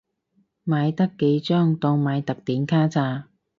買得幾張當買特典卡咋